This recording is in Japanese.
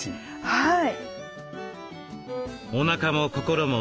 はい。